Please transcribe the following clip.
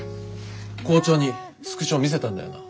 校長にスクショ見せたんだよな？